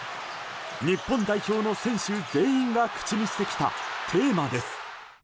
日本代表の選手全員が口にしてきたテーマです。